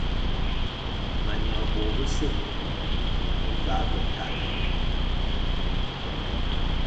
Ma nyeghe bô bese, va ve kale.